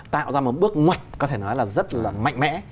tạo ra một bước ngoật có thể nói là rất là mạnh mẽ